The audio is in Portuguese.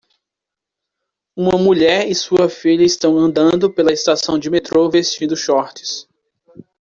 Uma mulher e sua filha estão andando pela estação de metrô vestindo shorts